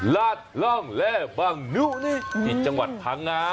ราดร่องแร่บังนิ้วนี้ที่จังหวัดพังงา